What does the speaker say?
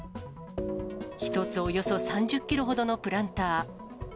１つおよそ３０キロほどのプランター。